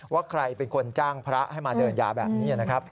ว่าใครเป็นคนจ้างพระให้มาเดินยาแบบนี้นะครับ